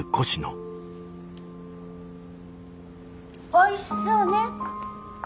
おいしそうね。